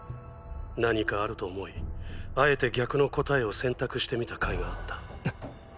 何かあると思いあえて逆の答えを選択してみた甲斐があった。